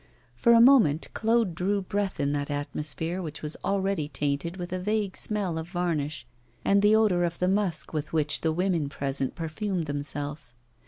For a moment Claude drew breath in that atmosphere which was already tainted with a vague smell of varnish and the odour of the musk with which the women present perfumed themselves.